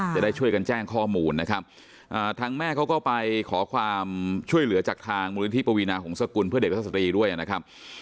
จะได้ช่วยกันแจ้งข้อมูลนะครับทางแม่เขาก็ไปขอความช่วยเหลือจากทางมูลนิธิปวีนาหงษกุลเพื่อเด็กและสตรีด้วยนะครับ